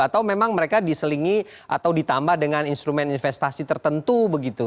atau memang mereka diselingi atau ditambah dengan instrumen investasi tertentu begitu